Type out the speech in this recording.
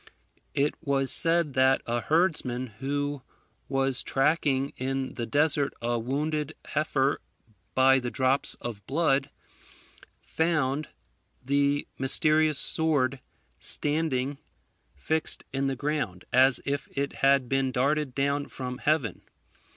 It was said that a herdsman, who was tracking in the desert a wounded heifer by the drops of blood, found the mysterious sword standing fixed in the ground, as if it had been darted down from heaven.